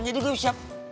jadi gue siap